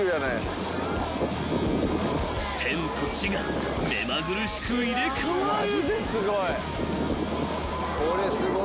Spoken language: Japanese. ［天と地が目まぐるしく入れ替わる］